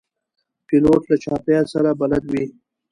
پیلوټ له چاپېریال سره بلد وي.